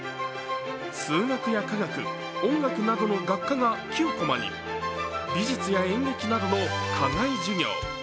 数学や化学、音楽などの学科が９こまに、美術や演劇などの課外授業。